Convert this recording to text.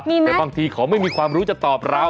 แต่บางทีเขาไม่มีความรู้จะตอบเรา